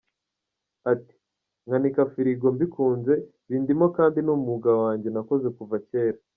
Ati “Nkanika firigo mbikunze , bindimo kandi ni umwuga wanjye nakoze kuva kera .